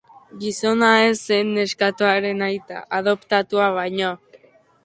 Gizona ez zen neskatoaren aita, adoptatua baino.